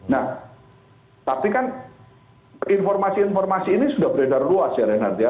nah tapi kan informasi informasi ini sudah beredar luas ya renat ya